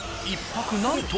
［１泊何と］